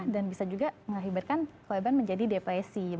dan bisa juga mengakibatkan korban menjadi depresi